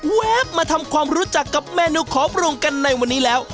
มาทำความรู้จักกับเมนูขอปรุงกันในวันนี้แล้ว